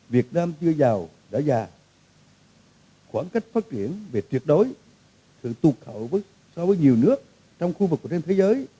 việt nam chưa giàu đã già khoảng cách phát triển về truyệt đối sự tụt khẩu so với nhiều nước trong khu vực của trên thế giới